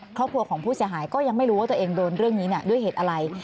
ครอบครัวของผู้เสียหายก็ยังไม่รู้ว่าตัวเองโดนเรื่องนี้ด้วยเหตุอะไร